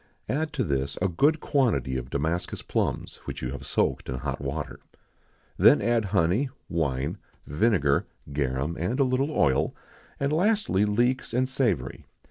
Add to this a good quantity of Damascus plums, which you have soaked in hot water. Then add honey, wine, vinegar, garum, and a little oil; and, lastly, leeks and savory.